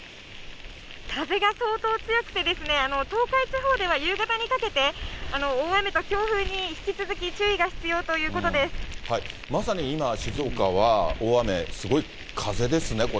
風が相当強くて、東海地方では夕方にかけて、大雨と強風に引まさに今、静岡は大雨、すごい風ですね、これ。